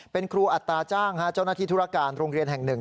เป็นครูอัตราจ้างเจ้าหน้าที่ธุรการโรงเรียนแห่งหนึ่ง